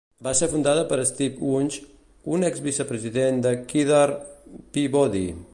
Va ser fundada per Steve Wunsch, un exvicepresident de Kidder Peabody.